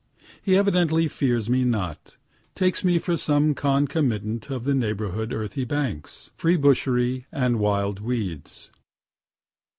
He evidently fears me not takes me for some concomitant of the neighboring earthy banks, free bushery and wild weeds.